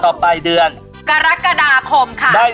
ต่อไปเดือนกรกฎาคมค่ะ